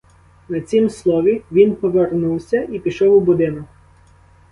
На цім слові він повернувся і пішов у будинок.